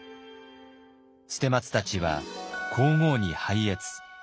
捨松たちは皇后に拝謁。